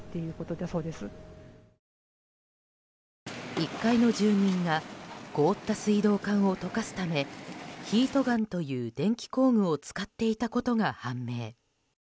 １階の住人が凍った水道管を溶かすためヒートガンという電気工具を使っていたことが判明。